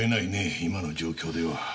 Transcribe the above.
今の状況では。